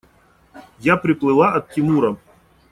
Я приплыла от Тимура.